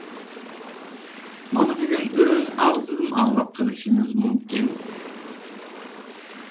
مانا بۈگۈن ئۆز ئاغزىدىن ئاڭلاپ قىلىشىمىز مۇمكىن.